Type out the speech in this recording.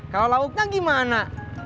kalau lauknya gimana